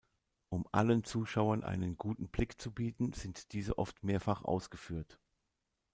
Um allen Zuschauern einen guten Blick zu bieten, sind diese oft mehrfach ausgeführt.